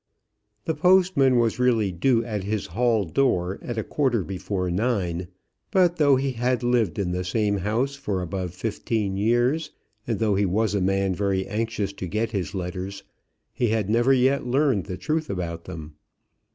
The postman was really due at his hall door at a quarter before nine; but though he had lived in the same house for above fifteen years, and though he was a man very anxious to get his letters, he had never yet learned the truth about them.